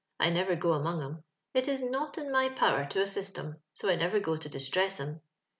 I never go among 'era. It is not in my power to assist 'cm, so I never go to dis tress 'em.